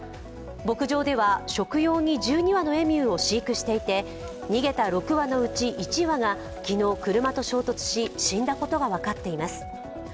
牧場では食用に１２羽のエミューを飼育していて、逃げた６羽のうち１羽が昨日、車と衝突し、死んだことが分かっています。